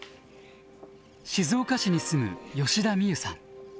静岡市に住む吉田美優さん。